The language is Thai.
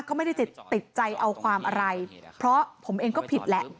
ก็ไม่ได้ติดใจเอาความอะไรเพราะผมเองก็ผิดแหละ